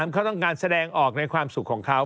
เขาต้องการแสดงออกในความสุขของเขา